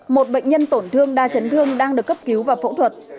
một bệnh nhân tổn thương đa chấn thương đang được cấp cứu và phẫu thuật